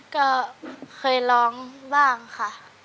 ก็เคยร้องบ้างค่ะ